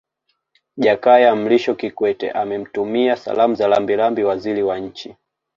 Jakaya Mrisho Kikwete amemtumia Salamu za Rambirambi Waziri wa Nchi